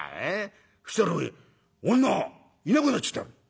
そしたらおい女いなくなっちゃったよ」。